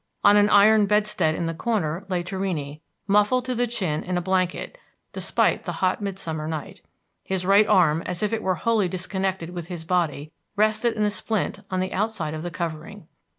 On an iron bedstead in the corner lay Torrini, muffled to the chin in a blanket, despite the hot midsummer night. His right arm, as if it were wholly disconnected with his body, rested in a splint on the outside of the covering.